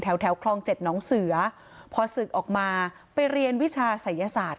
แถวคลองเจ็ดน้องเสือพอศึกออกมาไปเรียนวิชาศัยศาสตร์